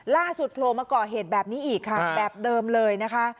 โผล่มาก่อเหตุแบบนี้อีกค่ะแบบเดิมเลยนะคะ